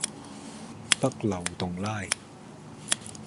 北漏洞拉